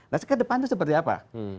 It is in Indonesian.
nah ke depan itu seperti apa